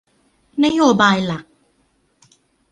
นโยบายหลัก